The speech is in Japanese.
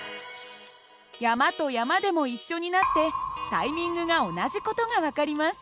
山と山でも一緒になってタイミングが同じ事が分かります。